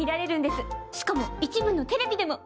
しかも一部のテレビでも。